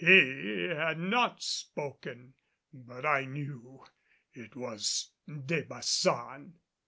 He had not spoken; but I knew it was De Baçan.